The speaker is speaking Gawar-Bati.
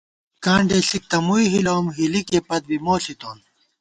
کانڈے ݪِک تہ مُوئی ہِلَوُم، ہِلِکے پت بی مو ݪِتون